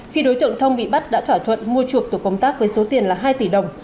khi đối tượng thông bị bắt đã thỏa thuận mua chuộc tổ công tác với số tiền là hai tỷ đồng